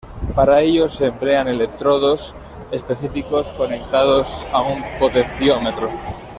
Para ello se emplean electrodos específicos conectados a un potenciómetro.